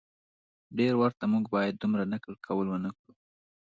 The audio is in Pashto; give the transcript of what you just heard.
ډیر ورته خو موږ باید دومره نقل قول ونه کړو